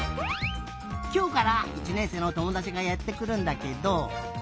きょうから１ねんせいのともだちがやってくるんだけど。